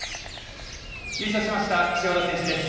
優勝しました塩浦選手です。